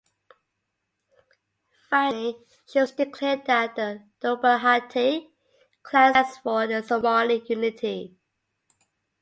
Finally, chiefs declared that the Dulbahante clan stands for the Somali unity.